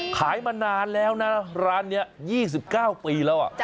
ขายมานานแล้วนะร้านเนี่ย๒๙ปีแล้วอ่ะ